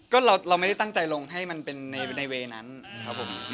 ก็เราไม่ได้ตั้งใจลงให้มันเป็นในเวย์นั้นครับผม